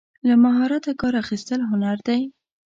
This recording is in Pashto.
له مهارته کار اخیستل هنر دی.